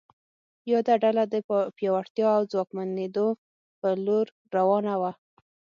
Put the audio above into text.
یاده ډله د پیاوړتیا او ځواکمنېدو په لور روانه وه.